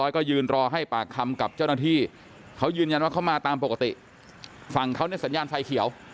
ก็ยืนรอให้ปากคำกับเจ้าหน้าที่เขายืนยันว่าเขามาตามปกติฝั่งเขาเนี่ยสัญญาณไฟเขียว